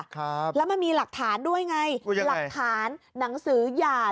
ครับแล้วมันมีหลักฐานด้วยไงหลักฐานหนังสือหย่า